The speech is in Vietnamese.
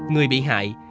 người bị hại